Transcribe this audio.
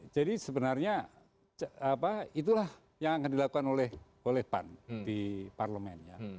jadi sebenarnya itulah yang akan dilakukan oleh pan di parlemen